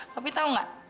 tapi tau gak